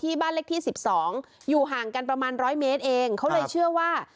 บ้านเล็กที่สิบสองอยู่ห่างกันประมาณร้อยเมตรเองเขาเลยเชื่อว่า